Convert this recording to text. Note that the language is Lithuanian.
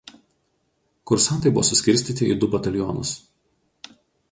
Kursantai buvo suskirstyti į du batalionus.